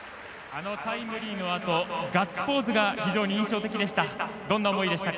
あのタイムリーのあとガッツポーズが非常に印象的でした。